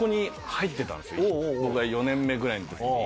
僕が４年目ぐらいの時に。